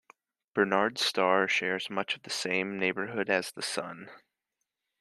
Barnard's Star shares much the same neighborhood as the Sun.